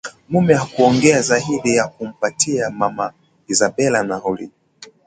mumewe hakuongea zaidi ya kumpatia mama Isabela nauli